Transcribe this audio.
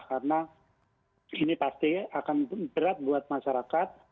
karena ini pasti akan berat buat masyarakat